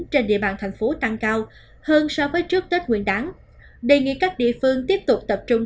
trên địa bàn thành phố tăng cao hơn so với trước tết nguyên đáng đề nghị các địa phương tiếp tục tập trung